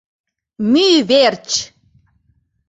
Мӱй верч!